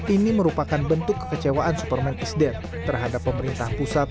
ini merupakan bentuk kekecewaan superman is dead terhadap pemerintah pusat